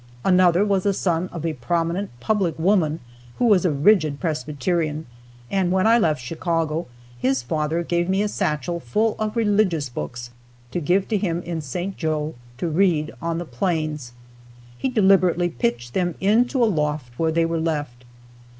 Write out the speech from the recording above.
Another was the son of a prominent public woman who was a rigid Presbyterian, and when I left Chicago his father gave me a satchel full of religious books to give to him in St. Joe to read on the plains. He deliberately pitched them into a loft, where they were left.